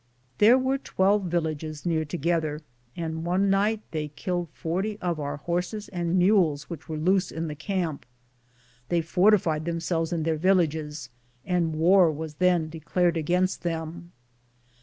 There were 12 villages near together, and one night they killed 40 of our horses and mules which were loose in the camp. They fortified themselves in their villages, and war was then declared against them.